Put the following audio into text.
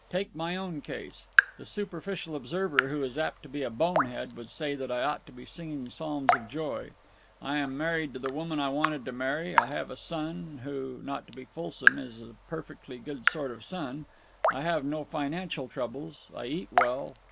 Take my own case. The superficial observer, who is apt to be a bonehead, would say that I ought to be singing psalms of joy. I am married to the woman I wanted to marry. I have a son who, not to be fulsome, is a perfectly good sort of son. I have no financial troubles. I eat well.